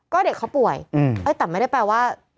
ก็เด็กเขาป่วยแต่ไม่ได้แปลว่า